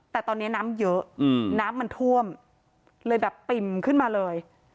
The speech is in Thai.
แต่ตอนนี้น้ำเยอะน้ำมันท่วมเลยแบบปิ่มขึ้นมาเลย